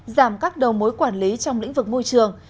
giảm các đầu mối quản lý trong lĩnh vực môi trường